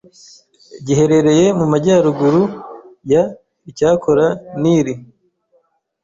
giherereye mu majyaruguru ya IcyakoraNili